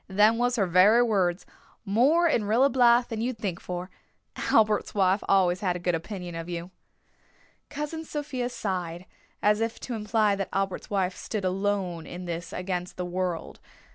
Them was her very words. 'More in Rilla Blythe than you'd think for.' Albert's wife always had a good opinion of you." Cousin Sophia sighed, as if to imply that Albert's wife stood alone in this against the world.